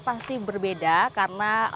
pasti berbeda karena